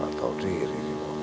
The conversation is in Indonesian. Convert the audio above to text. gak tau diri